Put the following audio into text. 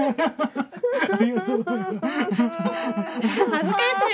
恥ずかしい。